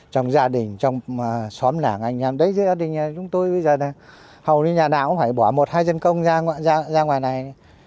trong gia đình trong xóm làng anh nhà đấy giới gia đình nhà chúng tôi bây giờ hầu như nhà đạo cũng phải bỏ một hai dân công ra ngoài này